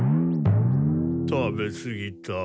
食べすぎた。